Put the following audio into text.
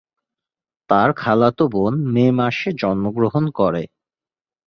তার খালাতো বোন মে মাসে জন্মগ্রহণ করে।